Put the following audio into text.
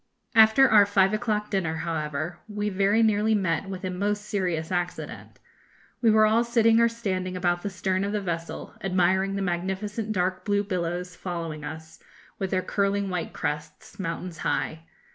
After our five o'clock dinner, however, we very nearly met with a most serious accident. We were all sitting or standing about the stern of the vessel, admiring the magnificent dark blue billows following us, with their curling white crests, mountains high.